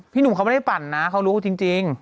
หนุ่มเขาไม่ได้ปั่นนะเขารู้จริง